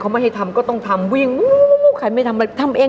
เขาไม่ให้ทำก็ต้องทำวิ่ง